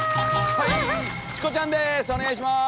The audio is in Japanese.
チコちゃんです。